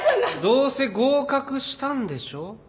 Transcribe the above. どうせ合格したんでしょう？